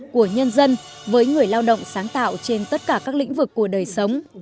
của nhân dân với người lao động sáng tạo trên tất cả các lĩnh vực của đời sống